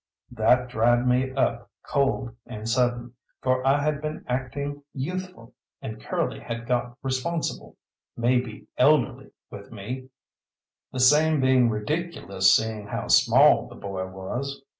That dried me up cold and sudden, for I had been acting youthful, and Curly had got responsible, maybe elderly with me, the same being ridiculous seeing how small the boy was.